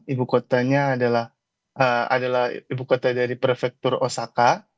ibu kotanya adalah ibu kota dari prefektur osaka